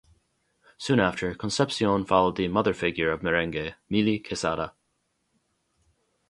Soon after Concepcion followed the "mother figure" of merengue-Milly Quesada.